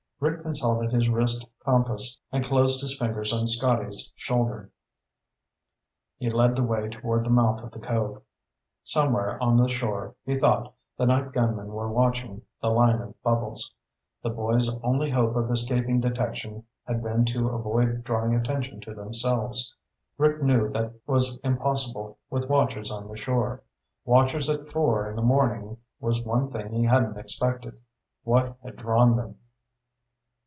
Rick consulted his wrist compass and closed his fingers on Scotty's shoulder. He led the way toward the mouth of the cove. Somewhere on the shore, he thought, the night gunmen were watching the line of bubbles. The boys' only hope of escaping detection had been to avoid drawing attention to themselves. Rick knew that was impossible with watchers on the shore. Watchers at four in the morning was one thing he hadn't expected. What had drawn them?